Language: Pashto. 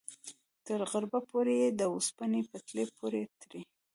تر غربه پورې یې د اوسپنې پټلۍ پورې تړي.